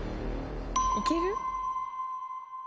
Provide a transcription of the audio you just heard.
いける？